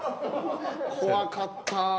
怖かった。